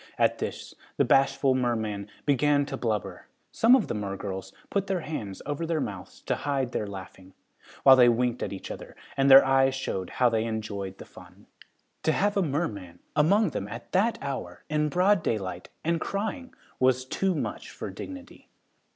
At this the bashful merman began to blubber. Some of the mergirls put their hands over their mouths to hide their laughing, while they winked at each other and their eyes showed how they enjoyed the fun. To have a merman among them, at that hour, in broad daylight, and crying, was too much for dignity.